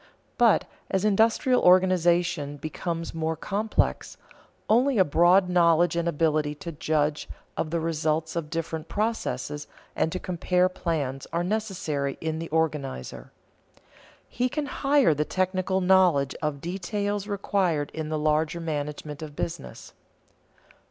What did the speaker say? But, as industrial organization becomes more complex, only a broad knowledge and ability to judge of the results of different processes and to compare plans are necessary in the organizer. He can hire the technical knowledge of details required in the larger management of business.